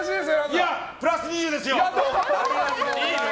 プラス２０ですよ！